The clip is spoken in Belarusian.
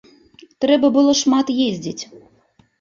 Трэба было шмат ездзіць.